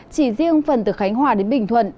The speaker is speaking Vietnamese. chỉ riêng phần từ khánh hòa đến bình thuận